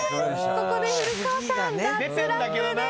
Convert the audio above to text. ここで古川さん脱落です。